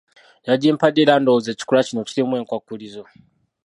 Yagimpadde, era ndowooza ekikolwa kino kirimu enkwakkulizo.